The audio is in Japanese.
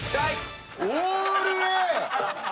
オールＡ！